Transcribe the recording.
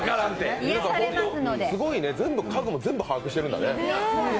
すごいね、家具も全部把握してるんだね。